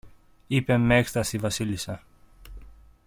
είπε μ' έκσταση η Βασίλισσα